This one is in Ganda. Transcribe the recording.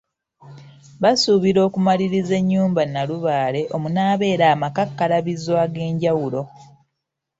Basuubira okumaliriza ennyumba Nalubaale omunaabeera amakakkalabizo ag’enjawulo.